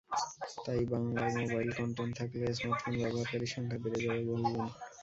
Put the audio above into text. তাই বাংলায় mobile content থাকলে স্মার্টফোন ব্যবহারকারীর সংখ্যা বেড়ে যাবে বহুগুণ।